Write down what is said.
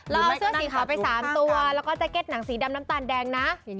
เอาเสื้อสีขาวไป๓ตัวแล้วก็แจ็ตหนังสีดำน้ำตาลแดงนะ